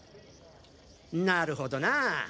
なるほどなぁ。